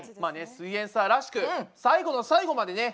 「すイエんサー」らしく最後の最後までね